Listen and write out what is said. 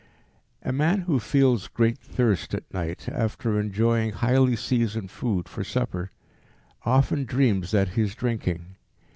A man who feels great thirst at night after enjoying highly seasoned food for supper, often dreams that he is drinking.